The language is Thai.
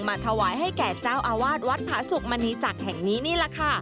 ถวายให้แก่เจ้าอาวาสวัดผาสุกมณีจักรแห่งนี้นี่แหละค่ะ